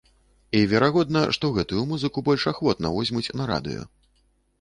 І верагодна, што гэтую музыку больш ахвотна возьмуць на радыё.